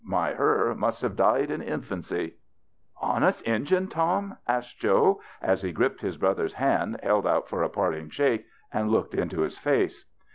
My her must have died in infancy." " Honest Injun, Tom ?" asked Joe, as he gripped his brother's hand held out for a parting shake and looked into his face.